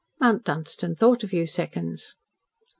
Mount Dunstan thought a few seconds.